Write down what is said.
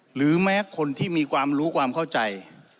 หรือแม้คนที่มีความรู้ความเข้าใจ